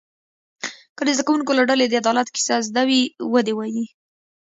که د زده کوونکو له ډلې د عدالت کیسه زده وي و دې وایي.